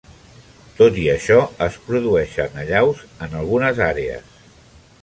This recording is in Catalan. Tot i això, es produeixen allaus en algunes àrees.